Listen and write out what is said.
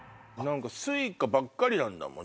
Ｓｕｉｃａばっかりなんだもん